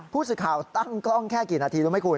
ผู้สื่อข่าวตั้งกล้องแค่กี่นาทีรู้ไหมคุณ